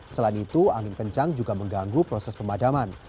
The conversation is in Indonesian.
selain itu angin kencang juga mengganggu proses pemadaman